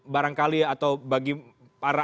barangkali atau bagi para